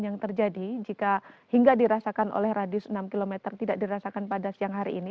yang terjadi jika hingga dirasakan oleh radius enam km tidak dirasakan pada siang hari ini